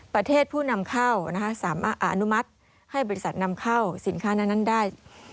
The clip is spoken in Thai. ผู้นำเข้าสามารถอนุมัติให้บริษัทนำเข้าสินค้านั้นได้